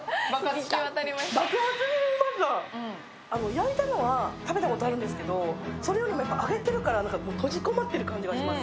焼いたのは食べたことあるんですけどそれよりも揚げてるから閉じこもっている感じがします。